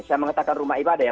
saya mengatakan rumah ibadah ya